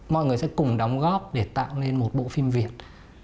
mọi người sẽ cùng đóng góp để tạo nên một bộ phim việt